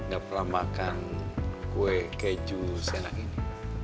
gak pernah makan kue keju seenak ini